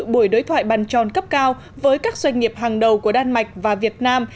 buổi đối thoại bàn tròn cấp cao với các doanh nghiệp hàng đầu của đan mạch và việt nam